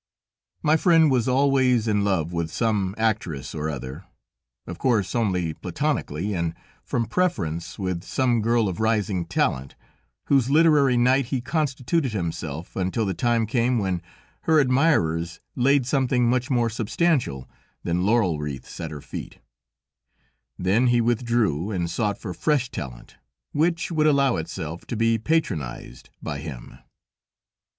My friend was always in love with some actress or other; of course only Platonically, and from preference with some girl of rising talent, whose literary knight he constituted himself, until the time came when her admirers laid something much more substantial than laurel wreaths at her feet; then he withdrew and sought for fresh talent which would allow itself to be patronized by him.